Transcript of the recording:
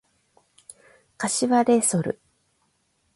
柏レイソル